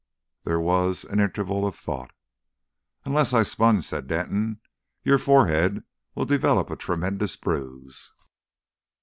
There was an interval of thought. "Unless I sponge," said Denton, "your forehead will develop a tremendous bruise."